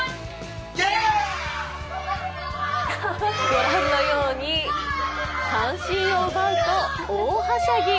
御覧のように三振を奪うと大はしゃぎ。